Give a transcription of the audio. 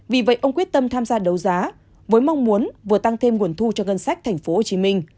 vì vậy ông quyết tâm tham gia đấu giá với mong muốn vừa tăng thêm nguồn thu cho ngân sách tp hcm